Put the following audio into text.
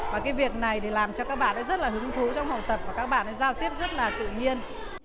và cái việc này thì làm cho các bạn ấy rất là hứng thú trong học tập và các bạn giao tiếp rất là tự nhiên